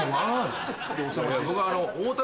僕。